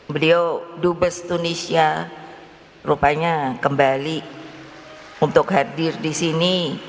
beliau dubes tunisia rupanya kembali untuk hadir di sini